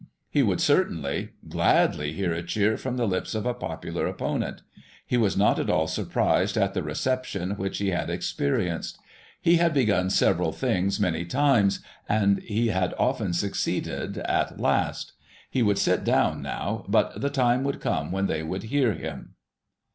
He would, certainly, gladly hear a cheer from the lips of a popular opponent He was not at all surprised at the reception which he had ex perienced. He had begun several things many times, and Digiti ized by Google 22 GOSSIP. [1837 jhe had often succeeded at last He would sit down now, but the time would come when they would hear him.